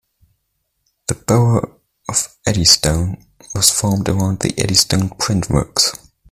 The borough of Eddystone was formed around the Eddystone Print Works.